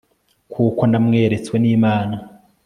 kuko namweretswe n'imana